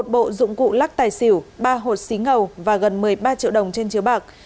một bộ dụng cụ lắc tài xỉu ba hột xí ngầu và gần một mươi ba triệu đồng trên chiếu bạc